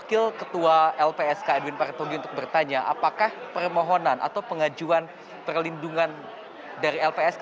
wakil ketua lpsk edwin partogi untuk bertanya apakah permohonan atau pengajuan perlindungan dari lpsk